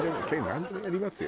なんでもやりますよ